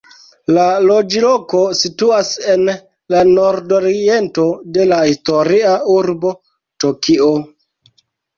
La loĝloko situas en la nordoriento de la historia urbo Tokio.